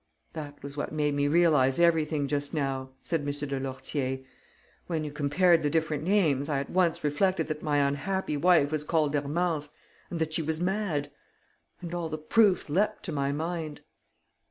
"That was what made me realize everything just now," said M. de Lourtier. "When you compared the different names, I at once reflected that my unhappy wife was called Hermance and that she was mad ... and all the proofs leapt to my mind."